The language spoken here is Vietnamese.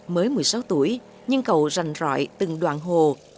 mới một mươi sáu tuổi nhưng cầu rành rọi từng đoàn hồ